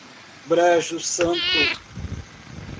Brejo Santo